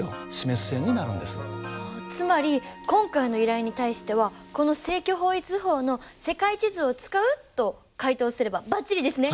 つまり今回の依頼に対してはこの正距方位図法の世界地図を使うと回答すればバッチリですね！